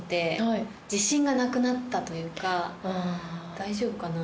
大丈夫かなって。